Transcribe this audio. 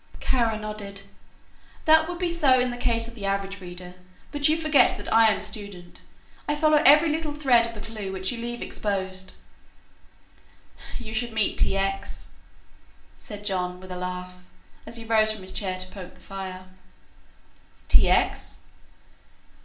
Kara nodded. "That would be so in the case of the average reader, but you forget that I am a student. I follow every little thread of the clue which you leave exposed." "You should meet T. X.," said John, with a laugh, as he rose from his chair to poke the fire. "T. X.?"